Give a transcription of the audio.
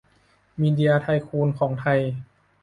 มีเดียไทคูนของไทย